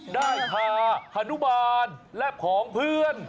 ได้พาฮานุบาลและของเพื่อน